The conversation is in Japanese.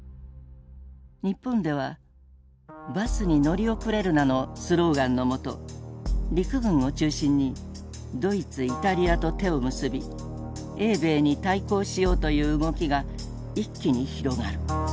日本では「バスに乗り遅れるな」のスローガンのもと陸軍を中心にドイツイタリアと手を結び英米に対抗しようという動きが一気に広がる。